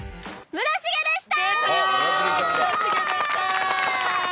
村重でした！